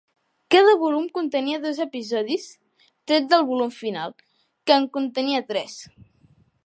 Cada volum contenia dos episodis, tret del volum final, que en contenia tres.